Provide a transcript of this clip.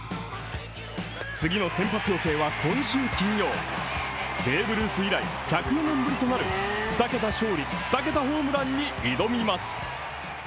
次の先発予定は今週金曜ベーブ・ルース以来１０４年ぶりとなる２桁勝利、２桁ホームランに挑みます。